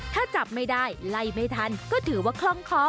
ถ้าจับไม่ได้ไล่ไม่ทันก็ถือว่าคล่องคอ